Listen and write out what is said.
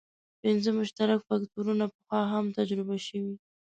پنځه مشترک فکټورونه پخوا هم تجربه شوي.